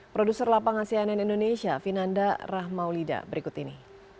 produser lapang asianan indonesia vinanda rahmaulida berikut ini